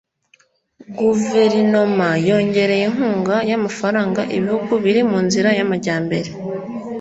guverinoma yongereye inkunga y'amafaranga ibihugu biri mu nzira y'amajyambere